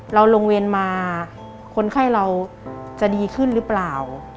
เราลงเวรมาคนไข้เราจะดีขึ้นหรือเปล่า